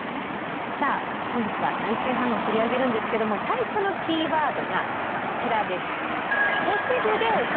さあ本日は内水氾濫を取り上げるんですけども最初のキーワードがこちらです。